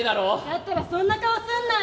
だったらそんな顔すんな！